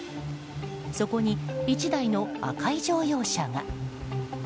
そこに、１台の赤い乗用車が。